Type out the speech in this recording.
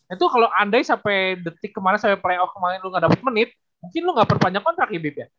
itu kalo andai sampe detik kemarin sampe playoff kemarin lu gak dapet menit mungkin lu gak perpanjang kontrak ya bip ya